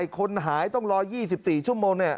คนหายต้องรอ๒๔ชั่วโมง